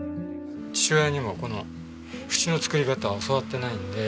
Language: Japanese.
父親にもこの縁の作り方は教わってないので。